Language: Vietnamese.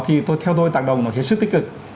thì theo tôi tác động nó sẽ sức tích cực